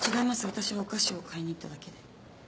私はお菓子を買いに行っただけで。